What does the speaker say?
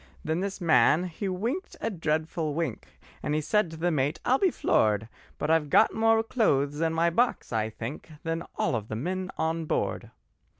Then this man he winked a dreadful wink, And said to the mate, "I'll be floored: But I've got more clothes in my box, I think, Than all of the men on board."